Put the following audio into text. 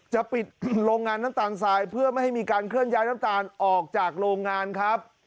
จะปิดโรงงานน้ำตาลทรายเพื่อไม่ให้มีการเคลื่อนย้ายน้ำตาลออกจากโรงงานครับ